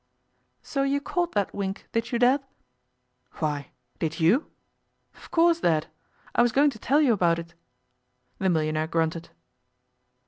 'So you caught that wink, did you, Dad?' 'Why, did you?' 'Of course, Dad. I was going to tell you about it.' The millionaire grunted.